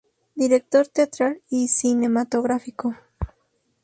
Director teatral y cinematográfico.